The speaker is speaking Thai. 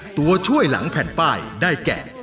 ตัวช่วยหลังแผ่นป้ายได้แก่